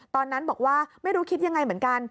ตอนนั้นบอกว่าไม่รู้คิดยังไงเหมือนกัน